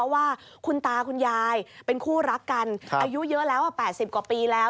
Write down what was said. ว่าคุณตาคุณยายเป็นคู่รักกันอายุเยอะแล้ว๘๐กว่าปีแล้ว